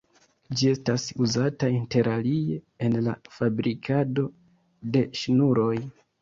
Ĝi estas uzata interalie en la fabrikado de ŝnuroj.